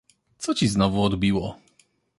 Co ci znowu odbiło?